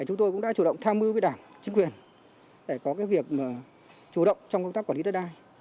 chúng tôi cũng đã chủ động tham mưu với đảng chính quyền để có việc chủ động trong công tác quản lý đất đai